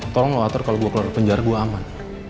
tolong lo atur kalo gue keluar dari penjara gue aman